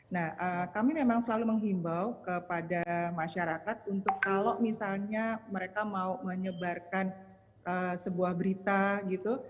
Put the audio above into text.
nah kami memang selalu menghimbau kepada masyarakat untuk kalau misalnya mereka mau menyebarkan sebuah berita gitu